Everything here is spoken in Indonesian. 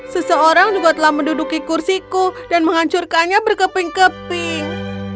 seseorang juga telah menduduki kursiku dan menghancurkannya berkeping keping